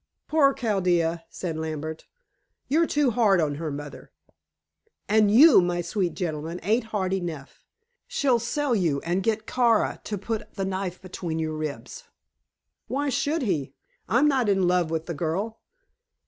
"Poor Chaldea," said Lambert. "You're too hard on her, mother." "And you, my sweet gentleman, ain't hard enough. She'll sell you, and get Kara to put the knife between your ribs." "Why should he? I'm not in love with the girl."